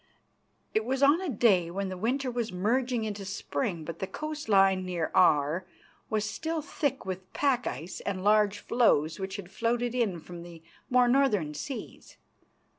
It was on a day when the winter was merging into spring, but the coast line near Aar was still thick with pack ice and large floes which had floated in from the more northern seas.